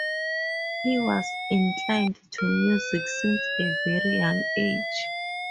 He was inclined to music since a very young age.